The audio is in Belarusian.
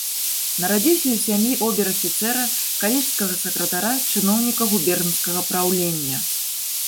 Нарадзіўся ў сям'і обер-афіцэра, калежскага сакратара, чыноўніка губернскага праўлення.